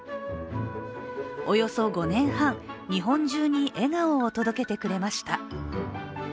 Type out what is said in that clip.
およそ５年半、日本中に笑顔を届けてくれました。